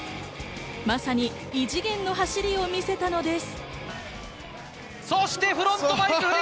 まさに異次元の走りを見せたのです。